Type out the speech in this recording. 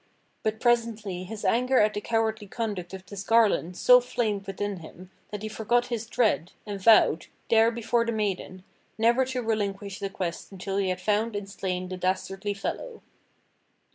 But presently his anger at the cowardly conduct of this Garlon so flamed within him that he forgot his dread, and vowed, there before the maiden, never to relinquish the quest until he had found and slain the dastardly fellow.